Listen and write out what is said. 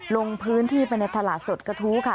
ลงพื้นที่ไปในตลาดสดกระทู้ค่ะ